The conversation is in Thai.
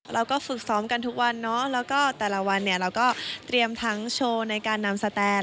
เราก็ฝึกซ้อมกันทุกวันเนาะแล้วก็แต่ละวันเนี่ยเราก็เตรียมทั้งโชว์ในการนำสแตน